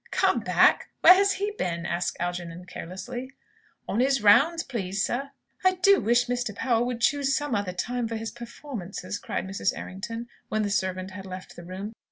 "Come back! Where has he been?" asked Algernon, carelessly. "On 'is rounds, please, sir." "I do wish Mr. Powell would choose some other time for his performances!" cried Mrs. Errington, when the servant had left the room.